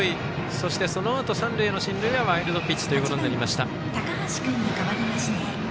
そして、そのあと三塁への進塁はワイルドピッチということになりました。